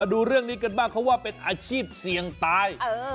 ดูเรื่องนี้กันบ้างเขาว่าเป็นอาชีพเสี่ยงตาย